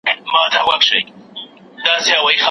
که څوک عروض نه پېژني شعر نسي څېړلی.